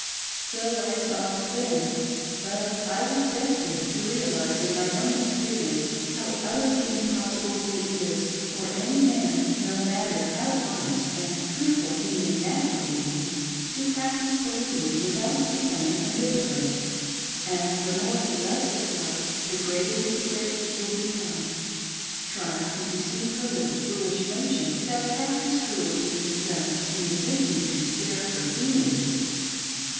So I thought then ; but I was destined to realise in my own experience how utterly impossible it is, for any man, no matter how honest and truthful he may naturally be, to practice Polygamy without becoming a hypocrite ; and the more he loves his wife, the greater hypocrite he will become, trying to deceive her >with the foolish notion that half his cruelty is done in attempting to " spare her feelings."